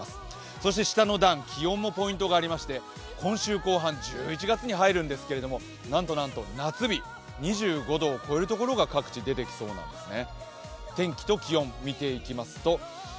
そして下の段、気温もポイントがありまして今週後半、１１月に入るんですがなんとなんと、夏日２５度を超えるところが各地、出てきそうなんですね。